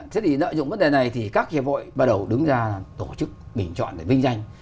thế thì nợ dụng vấn đề này thì các hiệp hội bắt đầu đứng ra tổ chức bình chọn để vinh danh